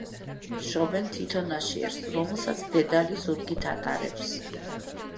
შობენ თითო ნაშიერს, რომელსაც დედალი ზურგით ატარებს.